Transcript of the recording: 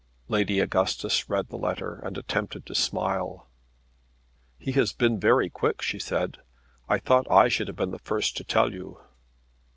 Lady Augustus read the letter and attempted to smile. "He has been very quick," she said. "I thought I should have been the first to tell you."